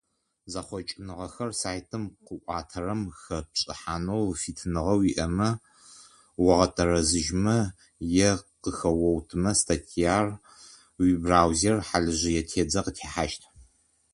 Зэхъокӏыныгъэхэр сайтым къыӏуатэрэм хэпшӏыхьанэу фитыныгъэ уиӏэмэ, огъэтэрэзыжьмэ е къыхэоутымэ статьяр, уибраузер хьалыжъые тедзэ къытехьащт.